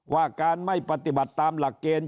ว่าการไม่ปฏิบัติตามหลักเกณฑ์